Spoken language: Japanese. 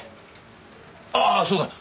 あっそうだ。